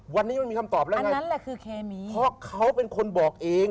วันนี้มันคือคาโมจิวคือเขมีเพราะเขาเป็นคนบอกเอง